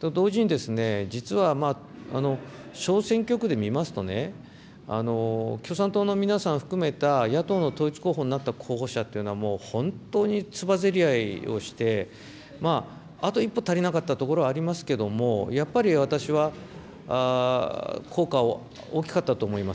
と同時に、実は小選挙区で見ますと、共産党の皆さん含めた野党の統一候補になった候補者というのは、もう本当につばぜり合いをして、あと一歩足りなかったところはありますけれども、やっぱり私は効果を、大きかったと思います。